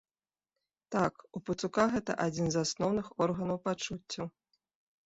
Так, у пацука гэта адзін з асноўных органаў пачуццяў.